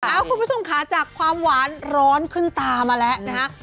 คุณผู้ชมค่ะจากความหวานร้อนขึ้นตามาแล้วนะฮะ